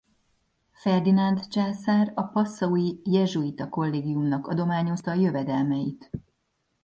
Ferdinánd császár a passaui jezsuita kollégiumnak adományozta jövedelmeit.